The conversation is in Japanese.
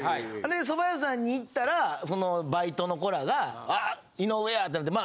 で蕎麦屋さんに行ったらそのバイトの子らが「あっ井上や！」ってなって。